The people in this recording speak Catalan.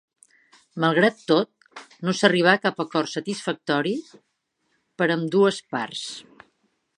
Malgrat tot, no s'arribà a cap acord satisfactori per ambdues parts.